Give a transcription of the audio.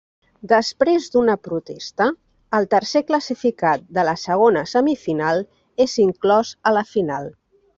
Després d'una protesta, el tercer classificat de la segona semifinal és inclòs a la final.